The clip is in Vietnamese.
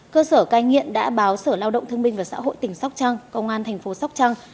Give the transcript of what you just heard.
cơ sở cai nghiện đã báo sở lao động thương binh và xã hội tỉnh sóc trăng công an tp sóc trăng